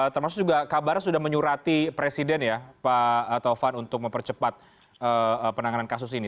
termasuk juga kabarnya sudah menyurati presiden ya pak taufan untuk mempercepat penanganan kasus ini